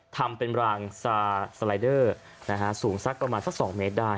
ทำเป็นรางซาสไลเดอร์สูงสักประมาณสัก๒เมตรได้